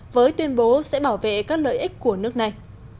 với tuyên bố sẽ bảo vệ các lợi ích của nước này